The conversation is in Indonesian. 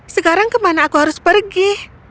sekarang ke mana aku harus pergi